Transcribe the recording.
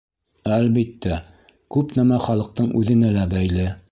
Әлбиттә, күп нәмә халыҡтың үҙенә лә бәйле.